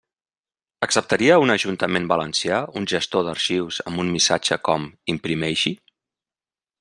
Acceptaria un ajuntament valencià un gestor d'arxius amb un missatge com imprimeixi?